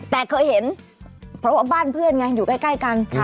แต่เคยเห็นเพราะว่าบ้านเพื่อนไงอยู่ใกล้กัน